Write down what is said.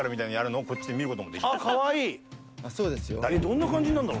どんな感じになるんだろ？